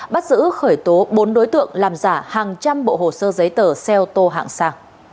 bắt giữ khởi tố bốn đối tượng làm giả hàng trăm bộ hồ sơ giấy tờ xe ô tô hạng sàn